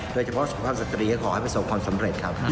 โดยเฉพาะสุภาพสตรีก็ขอให้ประสบความสำเร็จครับ